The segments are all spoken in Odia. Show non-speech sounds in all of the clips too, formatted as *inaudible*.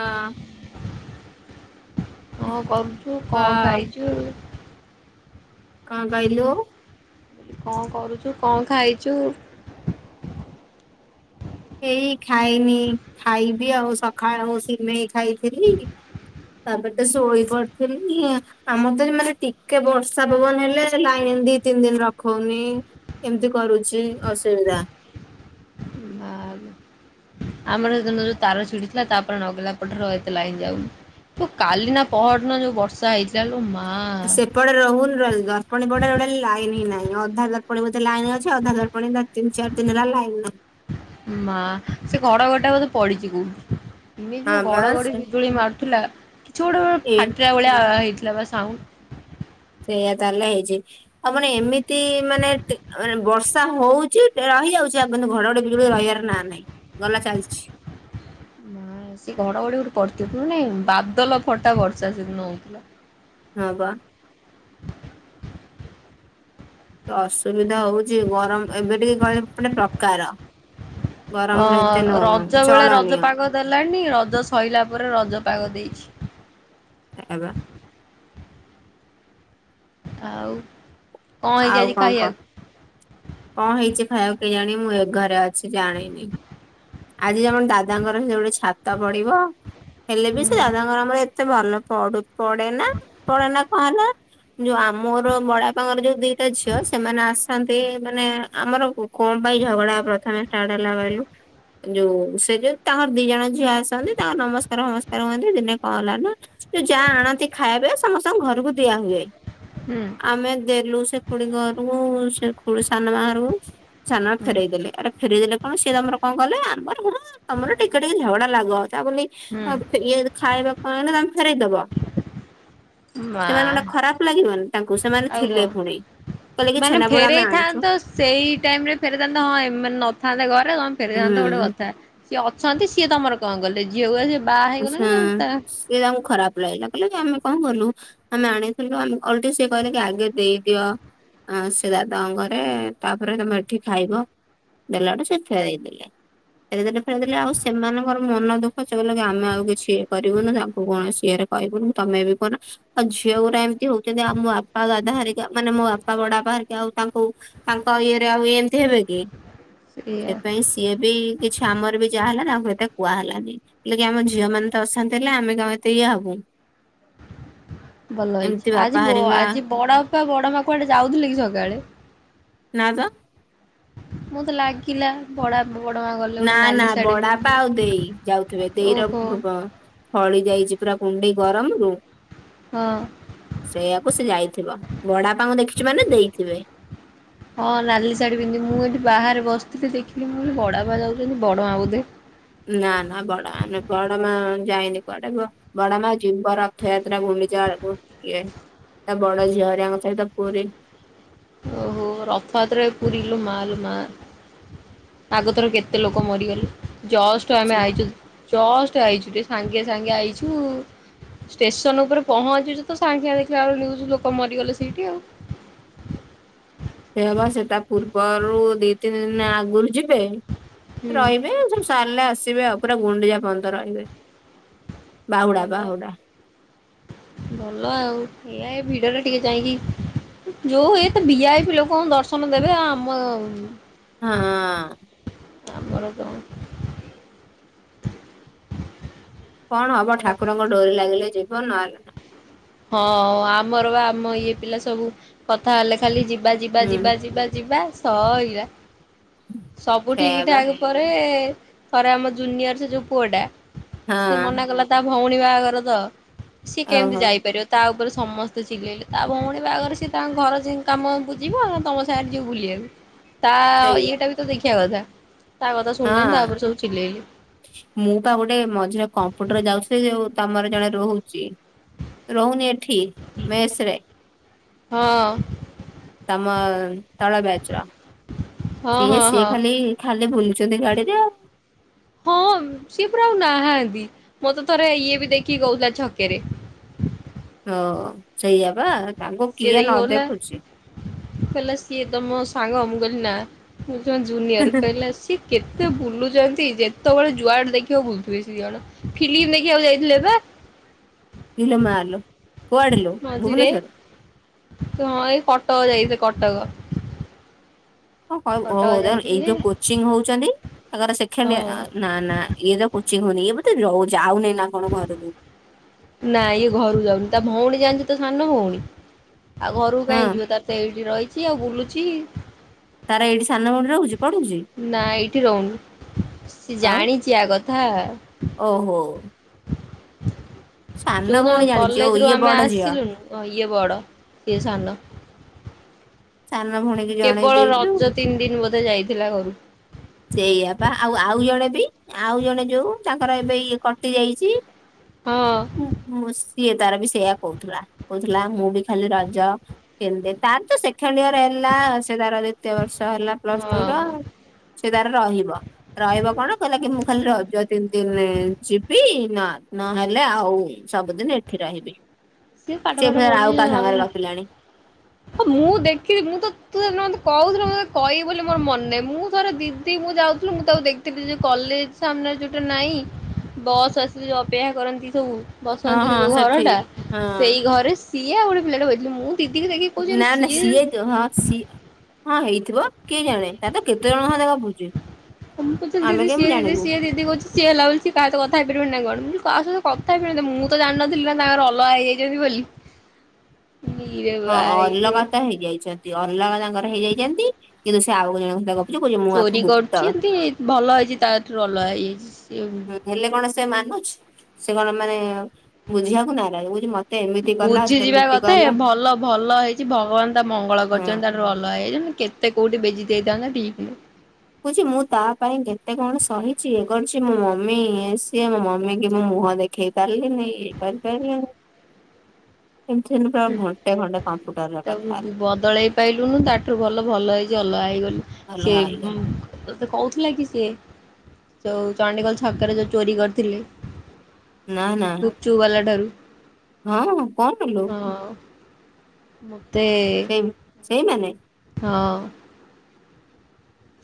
ହଁ। ହଁ କରୁଛୁ କ କଣ ଖାଇଛୁ? କଣ କହଲୁ? କଣ କରୁଛୁ କଣ ଖାଇଛୁ? ଏଇ ଖାଇନି ଖାଇବି ଆଉ ସକାଳୁ ଆଉ ସିମେଇ ଖାଇଥିଲି ତାପ ଶୋଇ ପଡିଥିଲି ଆମର ତ ମାନେ ଟିକେ ବର୍ଷା ପବନ ହେଲେ ଲାଇନ ଦି ତିନି ଦିନ ରଖଉନି ଏମିତି କରୁଛି ଅସୁବିଧା। ଆମର ସେଦିନ ଯୋଉ ତାର ଛିଡିଥିଲା ତାପରେ ନଗେଇଲା ପଟରେ ଏତେ ଲାଇନ ଯାଉନି ତ କାଲି ନା ପହର ନ ଯୋଉ ବର୍ଷା ହେଇଥିଲା। ସେପଟେ ରହୁନୁ ରହୁ ପାଣି ପ ଗୋଟେ ଲାଇନ ନାଇଁ ଅଧାଣିେ ଲାଇନ ଅ ଅଧା ତିନି ଚାରି ଦିନ ହେଲା ଲାଇନ ନାହିଁ। ମା ସେ ଘଡ ଘଡିଟା ଗୋଟେ ବୋଧେ ପଡିଛି କୋଉଠି? ଏମେ ହଁ ଯୋଉ ବା ଘଡ ଘଡି ବିଜୁଳି ମାରୁଥିଲା କିଛି ଗୋଟେ ଏଇ ଫାଟଆ ଭଳିଆ ହେଇଥିଲା। ପ୍ଲବ ସାଉ ସେଇୟା ତାହେଲେ ହେଇଛି ଆଉପଣ ଏମିତି ମାନେେ ବର୍ଷା ହଉଛି ରହିଯାଉଛି ଆପ ଘର ବିଜୁ ରହିବାର ନା ନାଇଁ ଗଲା ଚାଲିଛି ମା ସେ ଘଡଘଡି ଗ ପଡିଥଥିଲ ନାଇଁ ବାଦଲ ଫଟା ବର୍ଷା ସେଦିନ ହଉଥିଲା ହଁ ବା ଅସୁବିଧା ହଉଚ ଗରମ ଏବେ ଟିକେ ଗହ ପଟେ ପ୍ରକାର ହଁ ଗରମରେ ଏତେ ନୁହଁ ରଜ ବେଳେ ଚଳନୀୟ ରଜ ପାଗ ଦେଲାଣି ରଜ ସରଲାା ପରେ ରଜ ପାଗ ଦେଇଛି ସେ ବା ଆଉ କଣ ହେଇଛି ଆଉ ଆଜି କଣ କଣ ଖାଇବାକୁ କଣ ହେଇଛି ଖାଇବାକୁ କେ ଜାଣ ମୁଁ ଏ ଘରେ ଅଛି ଜାଣିନି ଆଜି ଜଣ ଦାଦାଙ୍କର ହ ଯୋଉଟେ ଛାତ ପଡିବ ହେଲେ ବି ସେ ହୁଁ ଦାଦାଙ୍କର ଆମର ଏତେ ଭଲ ପଡ ପଡେ ନା ପଡେନା କହ ନା ଯୋଉ ଆମର ବଡାପାଙ୍କର ଦିଟା ଝିଅ ସେମାନେ ଆସନ୍ତି ସେ ମାନେ ଆମର ବୁ କଣ ପାଇଁ ଝଗଡା ପ୍ରଥମେ। ଷ୍ଟାର୍ଟ ହେଲା କହିଲୁ ଯୋଉ ସେ ଯୋଉ ତାଙ୍କର ଦି ଜଣ ଝିଅ ଆସନ୍ତି ତାଙ୍କ ନମସ୍କାର ଫମସ୍କାର ହୁଅନ୍ତି ଦିନେ କଣ ହେଲା ନା ଯୋଉ ଯାହା ଆଣନ୍ତି ଖାଇବେ ସମସ୍ତଙ୍କ ଘରକୁ ଦିଆ ହୁଏ। ହୁଁ ଆମେ ଦେଲୁ। ସେ ଖୁଡି ଙ୍କ ଘରକୁ ସେ ଖୁଡି ସାନ ମା ଘରକୁ। ସାନ ମା ହୁଁ ଫେରଇଦେଲେ ଆରେ ଫେରଇଦଲେ। କଣ ସିଏ ତମର କଣ କଲେ ଆମର ହଁ ତମର ଟିକେ ଟିକେ ଝଗଡା ଲାଗ। ତା ବୋଲି ଅ ହୁଁ ଇଏ ଖାଇବା କଣ ନା। ଫେରେଇଦବ। ମା ସେମାନେ ଗୋଟେ ଖରାପ ଲାଗିବନି ତାଙ୍କୁ ସେମାନେ ଆଉ କଣ ଥିଲେ ପୁଣି। କହିଲେ କି ମାନେ ଛେନାପୋଡ ଆମେ ଆଣିଛୁ ଫେରେଇଥାନ୍ତ ସେଇ ଟାଇମ ରେ ଫେରଥାନ୍ତ ହଁ ଏମାନେ ନଥାନ୍ତା। ତମେ ଫେରିଥାନ୍ତ ଗୋଟେ ହୁଁ କଥା ସିଏ ଅଛନ୍ତି ସିଏ ତମର। କଣ ଗଲେ ଝିଅ କୁ। *unintelligible* ଆଚ୍ଛା ସିଏ ତାଙ୍କୁ ଖରାପ ଲାଗିଲା କହିଲାକି ଆମେ। କଣ କଲୁ ଆମେ ଆଣିଥିଲୁ ଆମ ଓଲଟି ସିଏ କହିଲାକି ଆଗେ ଦେଇଦିଅ ସେ ଦାଦଙ୍କ ଘରେ ତାପରେ ତମେ ଏଠି ଖାଇବ ଦେଲାବେଟୁ ସେ ଫେରେଇ ଦେଲେ ଫେରଇଦଲେ ଫେରଇ ଦେଲେ ଆଉ ସେମାନଙ୍କର ମନ ଦୁଃଖ ସେ କହିଲେ କ ଆମେ ଆଉ କିଛି ଇଏ କରିବୁନି ତାଙ୍କୁ କୌଣସି ଇଏରେ କହିବୁନି ତମେ ବି କହୁନ ଆଉ ଝିଅ ଗୁରା ଏମତି ହଉଛନ୍ତି ଆଉ ମୋ ବାପା ଦାଦା ହରିକା ମାନେ ମୋ ବାପା ବଡା ପା ହରିକା ଆଉ ତାଙ୍କୁ ତାଙ୍କ ଇଏରେ ଆଉ ଏମିତି ହେବେ କି। ସେଇଆ ସେଥିପାଇଁ ସିଏ ବି କିଛି ଆମର ବି ଯାହା ହେଲା ତାଙ୍କୁ ଏତ କୁହାହେଲାନି। ହେଲେ କି ଆମ ଝିଅ ମାନେ ତ ଅଶାନ୍ତ ହେଲେ ଆମେ ଙ୍କ ଏତେ ଇଏ ହବୁ। ଭଲ ହେଇଛି ଏମିତି ବାପା ଆଜି ବ ହେରିକା ଆଜି ବଡ। ପା ବଡ ମା କୁଆଡେ ଯାଉଥିଲେ କି ସକାଳେ। ନା ତ। ମୋତେ ଲାଗିଲା ବଡା ନା ନା ବଡାପା ଆଉ ଦେଇ ଯାଉଥିବେ ଦେଇ ର ଓହୋ ଫ-ଫଳି ଯାଇଛି ପୁରା କୁଣ୍ଡେଇ। ଗରମରୁୁ। ହଁ ସେଇଆକୁ ସେ ଯାଇଥିବ ବଡାପାଙ୍କୁ ଦେଖିଛୁ ମାନେ ଦେଇଥିବେ। ହଁ ଥିଲି ଦେଖିଲି ମୁଁ ବଡା ବା ଯାଉଛନ୍ତି ବଡ ମା ବୋଧେ। ନା ନା ବଡ ମା ବଡ ମା ଯାଇନି କୁଆଡେ ବି ବଡ ମା ଯିବ ରଥଯାତ୍ରା ଗୁଣ୍ଡିଚା ବେଳକୁ ଇଏ ତା ବଡ ଝିଅ ରିଆଙ୍କ ସହିତ ପୁରୀ। ଓହୋ ରଥୟାତ୍ରା ରେ ପୁରି ଲୋ ମା ଲୋ ମା ଆଗଥର କେତେ ଲୋକ ମରିଗଲ ଜଷ୍ଟ ଆମେ ଆଇଛୁ ଜଷ୍ଟ ଆଇଛୁ। ଏବେ ସାଙ୍ଗେ ସାଙ୍ଗେ ଆଇଛୁ ଷ୍ଟେସନ ଉପରେ ପହଞ୍ଚୁଛୁ ତ ସାଙ୍ଗେ ଦେଖିଲା ବେଳୁ ନିୟୁଜ୍ ଲୋକ ମରିଗଲେ ସେଇଠି ଆଉ। ସେୟା ପା ସେତା ପୂର୍ବରୁ ଦି ତିନି ଦିନ ଆଗରୁ ଯିବେ। ହୁଁ। ରହିବେ ସବୁ ସାରିଲେ ଆସିବେ ଆଉ। ପୁରା ଗୁଣ୍ଡିଜା ପନ୍ତ ରହିବେ। ବାହୁଡା ଭଲ ବାହୁଡା ଭଲ ଆଉ। ଏଇଆ ଏ ଭିଡରେ ଟିକେ ଯାଇଁକି ଯୋଉ ଏତ ବିଆପି ହେଇ ପ ଲୋକ ଦର୍ଶନ ଦେବେ ଆ ଆମ ହଁ ହଁ। ତାପର ତ କଣ ହବ ଆଉ ଠାକୁରଙ୍କ ଡୋରି ଲାଗିଲେ ଯି ଧନ ଆ ହଁ ଆମର ବା ଆମ ଇଏ ପିଲା ସବୁ କଥା ହେଲେ ଖାଲି ଯ ବାଜି ବାଜି ହୁଁ ବାଜି ବାଜି ବାସ୍ ସୋଇରା। ସବୁ ସେଇଆ ଠିକ ବା ଠାକ ପରେ ଥରେ ଆମ ଜୁନିୟର ସେ ଯୋଉ ପୁଅଟା। ସେ ହଁ ମନା କଲା ତା ଭଉଣୀ ବାହାଘର ତ ସିଏ କେମିତି ଓହୋ ଯାଇ ତା ଉପରେ ସମସ୍ତେ ଚିଲେଇଲେ ତା ଭଉଣୀ ବାଗରେ ସିଏ ତାଙ୍କ ଘର ଯ କାମକୁ ଯିବ ଆ ତମ ସାଙ୍ଗରେ ଯ ବୁଲିବାକୁ ତା ସେଇଆ ଇଏଟା ବି ତ ଦେଖିବା କଥା ତା କଥା ଶୁଣିଲେନି ତାପରେ ହଁ ସବୁ ଚିଲେଇଲେ ମୁଁ ତ ଗୋଟେ ମଝିରେ କମ୍ପୁଟର ଯାଉଛି ଯୋଉ ତମର ଜଣେ ରହୁଛି ରହୁନି ଏ ଠି ମସରେ ହଁ। ଆମ ତଲ ବଚର ହଁ ସିଏ ହଁ ସିଏ ହଁ। ଖାଲି ଖାଲି ବୁଲୁଛନ୍ତି ଗାଡିରେ ଆଉ। ହଁ ସିଏ ଆଉ ନାହାନ୍ତି ମୋତେ ଥରେ ଇଏ ବି ଦେଖିକି ଗଉଥିଲା ଛକରେ। ହ ସେଇଆ ବା। ତାଙ୍କୁ ସିଏ କିଏ ତ ନ ଗଲା ଦେଖୁଛି ହେହିଲ ସିଏ ତମ ସାଙ୍ଗ ଗନା। ଜୁନିୟର କହିଲା ସିଏ କେତେ ବୁଲୁ ଯେତେବେଳେ ଯୁଆଡେ ଦେଖିବାକୁ ଭୁଲଥିବେ ସେି ଜଣ ଫିଲ୍ିମ ଦେଖିବାକୁ ଯାଇଥିଲେ ବା। ିଇଲ ମାଲୋ। କୁଆଡେ ଲୋ ମଝିରେ ଭୁବନେଶ୍ୱର ତୁ ହଁ ଏଇ ଖଟ ଯାଇ କଟକ। କ କହି ବୁହ କଟକ ଓହ ଏଇ ଯାଇଥିଲେ ଯୋଉ କୋଚିଂ ହଉଛନ୍ତି ତାଙ୍କର ହଁ ସେକେଡିୟର ନା ନା ଇଏ ତ ହଉନି ଏ ବତେ ରହୁଚିଯାଉନି ନା କଣ ଘରକୁ। ନା ଇଏ ଘରୁ ଯାଉନି ତା ଭଉଣୀ ଜାଣିଛ ତ ସାନ ଭଉଣୀ। ଆଉ ଘର ହଁ କାହିଁ ଯିବ ତାର ସେଇଠି ରହିଛି ଆଉ ବୁଲୁଚ ଚି ତାର ଏଇଠି ସାନମୁଡିରେ ହଉଛି। ନା ଏଇଠି ରହୁନି ସେ ଆଉ ଜାଣିଛି ଆ କଥା ଓହୋ ସାନ ଯୋଉଦିନ ଭଉଣୀ ଜାଣିଛି ଓ କଲେଜ ରୁ ଇଏ ଆମେ ବଡ ଝିଅ ଆସିଲୁନୁ ଇଏ ବଡ ସିଏ ସାନ। ସାନ ଭଉଣୀକି ଜଣେଇ କେବଳ ଦେଇଛୁ ରଜ ତିନି ଦିନ ବୋଧେ। ସେ ଯାଇଥିଲା ଘରୁକୁ। ସେଇଆ ପା ଆଉ ଆଉ ଜଣେ ଆଉ ଜଣେ ଯୋଉ ତାଙ୍କର ଏବେ ଇଏ କଟି ଯାଇଛି। ହଁ ହୁଁ ହୁଁ। ସିଏ ତାର ବି ସେଇୟା କହୁଥିଲା କହୁଥିଲା ମୁଁ ବି ଖାଲି ରଜ କେେ ତାର ତ ସେଖେଣ୍ଡ ଇୟର ହେଲା ସେ ତାର ଦ୍ଵିତୀୟ ବର୍ଷ ହେଲା ପ୍ଲସ ଟୁ ର ହଁ ସେ ତାର ରହିବ ରହିବ କଣ କହିଲା କି ମୁଁ ଖାଲି ରଜ ତିନି ଦିନ ଯିବି। ନା ନ ହେଲେ ଆଉ ସବୁଦିନ ଏଠି ରହିବି। ସିଏ ପାଠ ସେ ପାଠ ଫେରେ ଆଉ ପଢିଲି କାହା ସାଙ୍ଗରେ ଗପିଲାନି। ହଁ ମୁଁ ଦେଖିଲି ମୁଁ ତ ମତେ କହୁଥିଲ ମେ କହିବି ବୋଲି ମୋର ମନେ ନାହିଁ ମୁଁ ତର ଦିଦି ମୁଁ ଯାଉଥିଲି ମୁଁ ତାକୁ ଦେଖିଥିଲି ଯୋଉ କଲେଜ ସାମ୍ନାରେ ଯୋଉଟା ନାଇଁ ବସ୍ ଆସିଲି ଯୋଉ ଅପେକ୍ଷା କରନ୍ତି ସବୁ ହଁ ବସନ୍ତି ସେ ହଁ ଯୋଉ ଘର ସେଠି ଟା ହଁ ସେଇ ଘରେ ସିଏ ଆଉ ଗୋଟେ ପିଲା ବସିଥିଲା ମୁଁ ଦିଦି କୁ ଦେଖି ନା ନା ସିଏଛ ହଁ ସି ହଁ ହେଇଥିବ କିଏ ଜାଣେ ତାର ତ କେତେ ଜଣଙ୍କ ସହିତ ଗପୁଛି। ମୁଁୁଥିଲ ଆମେ ଦିଦି ସିଏ କେମିତି ଦିଦି ଜାଣିବୁ ସି ଦି କହୁଛି ସିଏ ଲାଗୁଛି କାହା ସହିତ କଥା ହେଇପାରିବନି ନା କଣ। କାହା ସହିତ କଥା ହେଇପାରିବନି ମୁଁ ତ ଜାଣିନଥିଲି ନା ତାଙ୍କର ଅଲଗା ହେଇଯାଇଛନ୍ତି ବୋଲି। ଇରେ ହଁ ଭାଇରେ ଅଲଗା ତ ହେଇଯାଇଚନ୍। ଅଲଗା ତାଙ୍କର ହେଇଯାଇଚନ୍ତି। କିନ୍ତୁ ସେ ଆଉ ଜଣଙ୍କ ସହିତ ଗପ୍ ଚୋରି କରୁଛିନ୍ତି। ଭଲ ହେଇଛି, ତାଠରୁ ଅଲଗା ହେଇଯାଇଛି। ସିଏ ହୁଁ ହେଲେ କଣ ସେ ମା ଉଛ୍। ସେ କଣ ମାନେ ବୁଝିବାକୁ ନାରାଜ କୋହୁଛି ମ ବୁଝି ଯିବା କଥା ଭଲ ଭଲ ହେଇଛି। ଭଗବାନ ତା ମଙ୍ଗଳ ହଁ କରିଚନ୍ତି। ତାଠାରୁ ଅଲଗା ହେଇଯାଇଛନ୍ତି କେତ୍ ସେ କୋଉଠି ବେଜିତ୍ ହେଇଥାନ୍ତା ଠିକ୍ ନୁ କୋହୁଛି ମୁଁ ତା, ପାଇଁ କେତେ କଣ ସହିଛି, ଇଏ କରଛି? ମୋ ମମି ସିଏ, ମୋ ମମି କି ମୁୋ ମୁହଁ! ଦେଖେଇ ପାରିଲନି, ଇଏ କରିପାରିଲିନି। ଏମିତି ସେମିତି ପୁରା ହୁଁ! ଘଣ୍ଟେ ଘଣ୍ଟେ କମ୍ପ୍ୟୁଟରରେ କଥା ତାକୁ ହେଲା ବଦଳେଇ ପାଇଲୁନୁ। ତାଠାରୁୁ ଭଲ, ଭଲ ହେଇ ଚି ଅଲା ଏଇଗଲି। ସେ ଅଲଗା ଗୁଁକ ହେଇଗଲୁ ତତେ କ କହୁଥିଲା କି ସିଏ ଯଉ ଚଣ୍ଡିଖୋଲ ଛକରେ ଯଉଁ ଚୋରି କରିଥିଲେ। ନା ନା ଗୁପଚୁପ୍ ବାଲା ଠାରୁ। ହଁ କଣ? ଆଲୋ। ମଁ, ତେ ଏ ଏଇମାନେ ହଁ।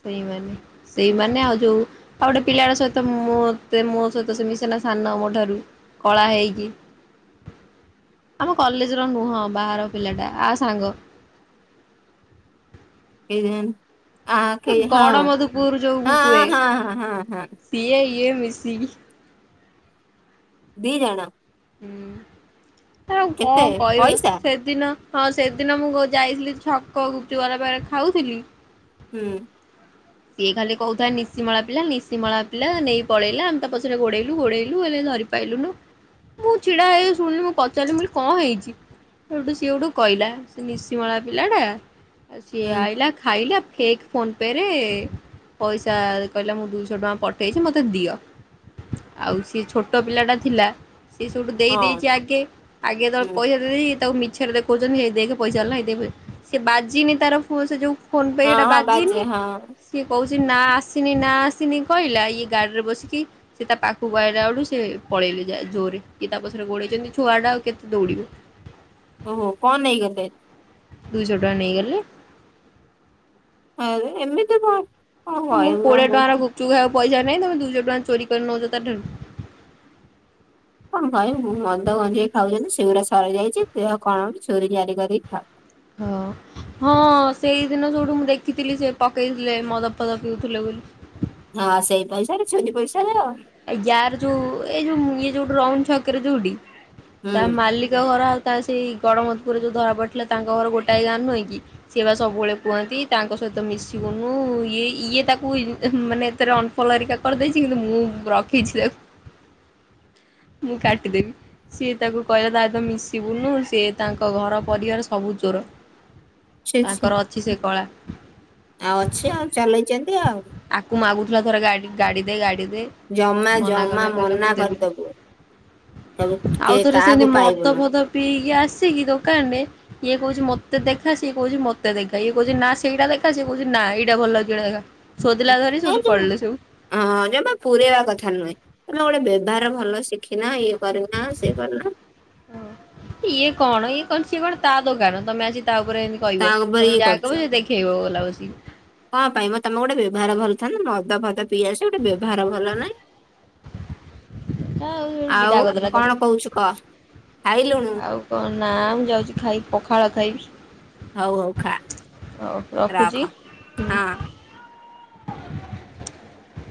ସେଇମାନେ ସେଇମାନେ, ଆଉ ଯୋଉ ଆଉ ଗୋଟେ ପିଲାଟା ସହିତ ମତେ ମୋ ସହିତ, ସେ ମିସେନା ସାନ ମୋ ଠାରୁ କଳା ହେଇକି, ଆମ କଲେଜ ର ନୁହଁ। ବାହାର ପିଲାଟା ଆ ସାଙ୍ଗ ଏଇଜେନ୍ ଆଖେଇ ହଁ ଗଡମଧୁପୁର ଯୋଉ ମୁଁ ହଁ କୁହେ ହଁ ହ ହଁ ହଁ। ସିଏ ଇଏ ମିଶିକି ଦି ଜଣ। ହୁଁ। ଆଉ କଣ କେତେ କହିବ? ପଇସା ସେଦିନ, ହଁ, ସେଦିନ ମୁଁ ଯାଇଥିଲି ଛକ ଗୁପଚୁପ ବାଲାଗରା ପାଖରେ ଖାଉଥିଲି। ହୁଁ। ସିଏ ଖାଲି କହୁଥା ନିଶିମଳା ପିଲା ନିଶିମଳା ପିଲା ନେଇ ପଳେଇଲା ଆମେ ତା ପଛରେ ଗୋଡେଇଲୁ ଗୋଡେଇଲୁ ହେଲେ ଧରି ପାଇଲୁନୁ। ମୁଁ ଛିଡା ହେଇ ଶୁଣିଲି ମୁଁ ପଚାରିଲି ମୁଁ ବୋଲି କଣ ହେଇଛି? ସେଠୁ ସିଏ ହଠୁ କହିଲା ସିଏ ନିଶିମଳା ପିଲାଟା ଆଉ ସିଏ ହୁଁ ଆଇଲା ଖାଇଲା ଖେକ୍ ଫୋନ୍ ପେ ରେ ପଇସା କହିଲା ମୁଁ ଦୁଇଶହ ଟଙ୍କା ପଠେଇଛି ମତେ ଦିଅ। ଆଉ ସିଏ ଛୋଟ ପିଲା ଟା ଥିଲା ସେ ସଟୁ ହଁ ଦେଇେଇଛି ଆଗେ। ଆଗେ ତଳେ ହୁଁ ପଇସା ଦେଇେଇ ଇଏ ତାକୁ ମି ଛେରେ ଦେଖଉଛନ୍ତି, ହେଇ ଦେଖ ପଇସା ଆରିଲା ହେଇ ଦେଖେ ପଇ, ସେ ବାଜିିନି ତାର ଫୋ ସେ ଯଉଁ ଫୋନ ହଁ ପେଟା ହଁ ବାଜେ ବାଜିିନି। ହଁ ଏ କହୁଛି! ନା ଆସିନି, ନା ଆସିନି, କହିଲା ଇଏ ଗାଡିରେ ବସିକି ସେ ତା ପାଖକୁ ଆଇଲା ବେଳୁ, ସେ ପଳେଇଲେ ଜୋରରେ। ଇଏ ତା ପଛରେ ଗୌଡେଇଛନ୍ତି, ଛୁଆ ଟା ଆଉ କେତେ ଦୌଡିବ? ଓହୋ! କ ନେଇଗଲେ? ଦୁଇଶହ ଟଙ୍କା ନେଇଗଲେ। ହଉ ଏମିତି କ ହଁ ମୁଁ କୋଡିଏ ଟଙ୍କାର ଗୁପଚୁପ ଖାଇବ ପଇସା ନାଇଁ, ତମେ ଦୁଇଶ ଟଙ୍କା ଚୋରି କରି ନଉଛ ତାଠାରୁ। କଣ କହିବୁ ମଦ ଗଞ୍ଜେଇ ଖାଉଛନ୍ତି ସେଗୁଡା ସରିଯାଇଛି, ଦେହ କଣ ହଉଛି ଚୋରି ଚାରି କରିକି ଖାଅ ହଁ ହଁ ସେଇଦିନ ସୋଉଠୁ ମୁଁ ଦେଖିଥିଲି ସେ ପକେଇଥିଲେ, ମଦ ଫଦ ପିଉଥିଲେ ବୋଲି। ହଁ ସେଇ ପଇସାରେ ଚୋରି ପଇସା ଏ ଯାର ଯଉ ଏଇ ଯୋଉ *unintelligible* ଯୋଉଠି *unintelligible* ଛକରେ ଯୋଉଠି। ତା ହୁଁ ମାଲିକ ଘର ଆ ତା ସେଇ ଗଡ଼ମଧପୁରରେ ଯେଉଁ ଧରା ପଡ଼ିଥିଲା ତାଙ୍କ ଘର ଗୋଟାଏ ଗାଁ ନୁହେଁକି, ସିଏ ବା ସବୁବେଳେ କୁହନ୍ତି ତାଙ୍କ ସହିତ ମିଶିବୁନୁ ଇଏ ଇଏ ତାକୁ ମାନେ ଏଥରେ ଅଣଫଲୋ ହେରିକା କରିଦେଇଛି, କିନ୍ତୁ ମୁଁ ରଖିଚି ତାକୁ। ମୁଁ କାଟିଦେବି, ସିଏ ତାକୁ କହିଲା ତା ତ ମିଶିବୁନୁ ସିଏ ତାଙ୍କ ଘର ପରିବାର ସବୁ ଚୋର। ଛି ଛି ତାଙ୍କର ଅଛି ସେ କଳା। ଆଉ ଅଛି ଆଉ ଚଲେଇଚନ୍ତି। ଆକୁ ମାଗୁଥିଲା ଥରେ ଗାଡି। ଗାଡ଼ି ଦେ ଗାଡ଼ି ଦେ ଦେ ଜମା ମନା ଜମା କନା କଲେ ମନା ମୁଁ ଦେବିିନି। କରିଦବୁ କହିବୁ କେ ଆଉଥରେ ସେମିତି କାହାକୁ ମଦ ପାଇବୁନୁ ଫଦ ପିଇକି ଆସିକି ଦୋକାନ ରେ ଇ *unintelligible* ଅଁ ଜମା ପୁରେଇବା କଥା ନୁହେଁ। ତମେ ଗୋଟେ ବ୍ୟବହାର ଭଲ ଶିଖିନା ଇଏ କରିନାହଁ, ସେ କରିନାହଁ। ଇଏ କଣ ଇଏ କଣ ସିଏ କଣ ତା ଦୋକାନ ତମେ ଆଜି ତା ଉପରେ ଏମିତି ତା କହିବ, ଉପରେ ତମେ ଯା କହିବ ସେ ଦେଖେଇବ ଗଲା ବସି *inaudible* କାଁ ପାଇଁ ମ ତମେ ଗୋଟେ ବ୍ୟବହାର ଭଲ ଥାନ୍ତା ମ୍ ମଦ ଫଦ ପିଇ ଆସିବ ଗୋଟେ ବ୍ୟବହାର ଭଲ ନାହିଁ। ସେଟା ଆଉ ବିଦା କରିଦେଲା କଣ କହୁଛୁ କହ ତାକୁ। ଖାଇଲୁଣୁ ଆଉ କଣ ନା ମୁଁ ଯାଉଛି ଖାଇ ପଖାଳ ଖାଇବି। ହଉ ହଉ ଖା, ହଉ ରଖ, ରଖୁଛି। ହଁ। *inaudible*